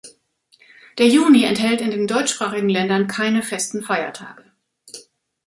Der Juni enthält in den deutschsprachigen Ländern keine festen Feiertage.